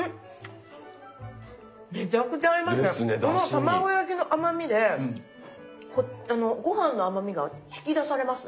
卵焼きの甘みでご飯の甘みが引き出されます。